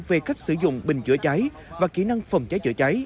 về cách sử dụng bình chữa trái và kỹ năng phòng trái chữa trái